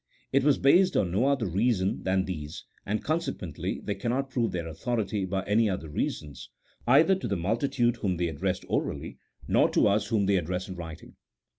It was based on no other reasons than these, and consequently they cannot prove their authority by any other reasons, either to the multitude whom they addressed orally, nor to us whom they address in writing.